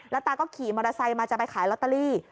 ตาก็ขี่มอเตอร์ไซค์มาจะไปขายลอตเตอรี่